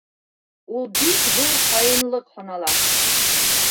Ул бик ҙур хаинлыҡ һанала.